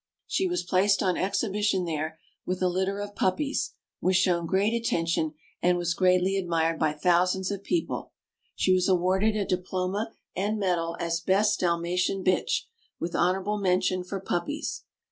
She was placed on exhibition there, with a litter of puppies; was shown great attention, and was greatly admired by thousands of people. She was awarded a diploma and medal as best Dalmatian bitch, with honorable mention for puppies.